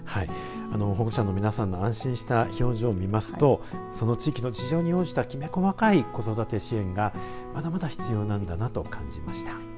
保護者の皆さんの安心した表情を見ますと、その地域の事情に応じた、きめ細かい子育て支援がまだまだ必要なんだなと感じました。